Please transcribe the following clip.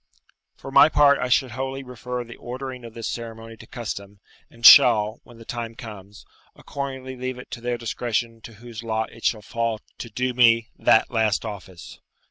For my part, I should wholly refer the ordering of this ceremony to custom, and shall, when the time comes, accordingly leave it to their discretion to whose lot it shall fall to do me that last office.